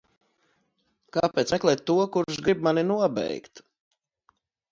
Kāpēc meklēt to, kurš grib mani nobeigt?